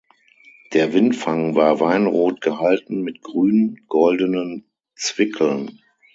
Der Windfang war weinrot gehalten, mit grün-goldenen Zwickeln.